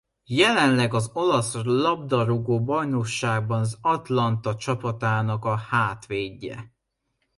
Jelenleg az olasz labdarúgó-bajnokságban a Atalanta csapatának a hátvédje.